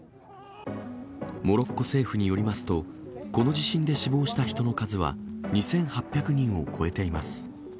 モロッコ政府によりますと、この地震で死亡した人の数は２８００人を超えています。